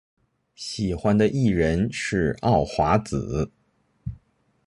喜欢的艺人是奥华子。